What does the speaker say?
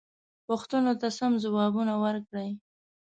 پوښتنو ته سم ځوابونه ورکړئ.